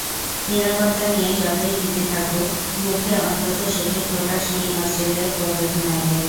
নিরাপত্তা নিয়ে যতই ভীতি থাকুক, মুখে অন্তত সেটির প্রকাশ নেই অস্ট্রেলিয়ার কোচ-অধিনায়কের।